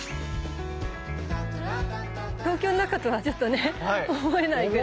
東京の中とはちょっとね思えないぐらい。